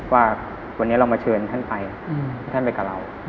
ว่าวันนี้เรามาเชิญท่านไปให้ท่านไปกับเรา